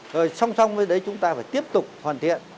rồi song song với đấy chúng ta phải tiếp tục hoàn thiện